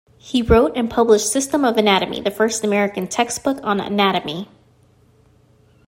He wrote and published "System of Anatomy", the first American textbook on anatomy.